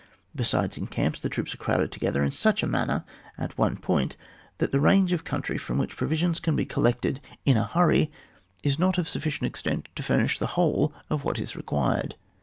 Besides, in camps the troops are crowded togetlier in such a manner at one point, that the range of country from which provisions can be collected in a hurry is not of sufficient extent to Ornish the whole of what is vequired.